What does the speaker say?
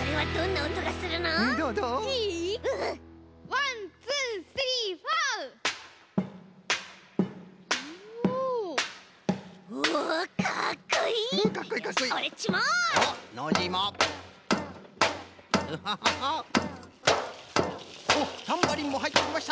おっタンバリンもはいってきました！